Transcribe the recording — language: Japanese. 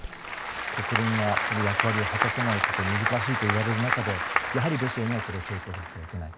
国連がその役割を果たせない難しいといわれる中でやはりロシアには成功させてはいけない。